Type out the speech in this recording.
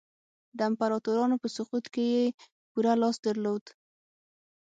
د امپراتورانو په سقوط کې یې پوره لاس درلود.